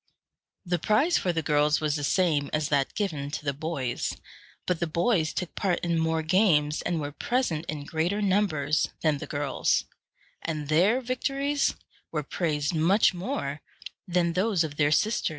The prize for the girls was the same as that given to the boys; but the boys took part in more games, and were present in greater numbers, than the girls, and their victories were praised much more than those of their sisters.